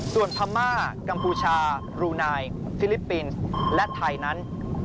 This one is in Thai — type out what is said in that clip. ส่วนพม่ากัมพูชารูนายฟิลิปปินส์และไทยนั้น